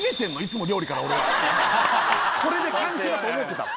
これで完成だと思ってた。